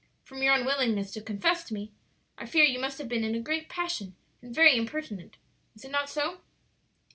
From your unwillingness to confess to me, I fear you must have been in a great passion and very impertinent. Is it not so?"